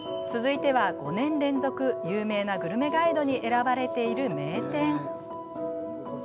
続いては、５年連続有名なグルメガイドに選ばれている名店。